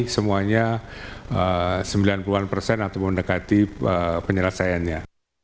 semuanya sembilan puluh an persen atau mendekati penyelesaiannya